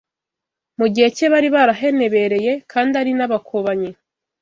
mu gihe cye bari barahenebereye kandi ari n’abakobanyi